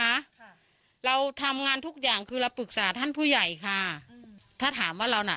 ค่ะเราทำงานทุกอย่างคือเราปรึกษาท่านผู้ใหญ่ค่ะอืมถ้าถามว่าเราน่ะ